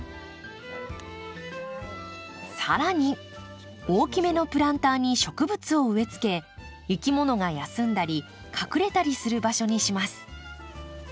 更に大きめのプランターに植物を植えつけいきものが休んだり隠れたりする場所にします。